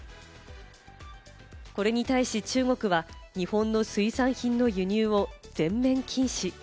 これに対し中国は日本の水産品の輸入を全面禁止。